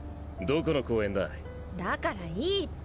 だからいいって。